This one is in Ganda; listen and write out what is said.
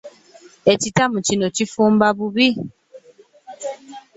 Ekitamu kino kifumba bubi.